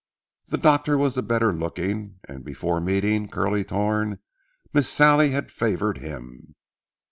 The doctor was the better looking, and, before meeting Curly Thorn, Miss Sallie had favored him.